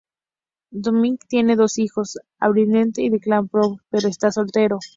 Dominic tiene dos hijos Gabrielle y Declan Power, pero está soltero.